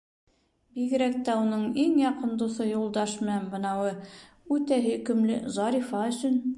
Бигерәк тә уның иң яҡын дуҫы Юлдаш менән бынауы үтә һөйкөмлө Зарифа өсөн...